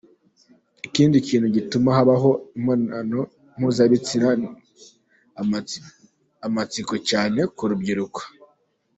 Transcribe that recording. Ikindi kintu gituma habaho imibonano mpuzabitsina ni amatsiko cyane ku rubyiruko.